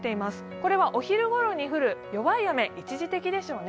これはお昼ごろに降る弱い雨、一時的でしょうね。